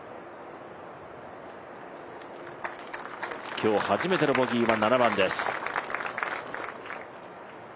今日初めてのボギーは７番です。